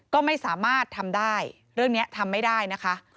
ก็ไม่สามารถทำได้เรื่องนี้ทำไม่ได้นะคะ